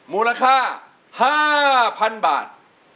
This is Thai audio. มูลค่า๕๐๐๐บาท